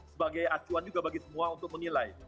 sebagai acuan juga bagi semua untuk menilai